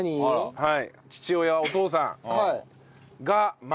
はい。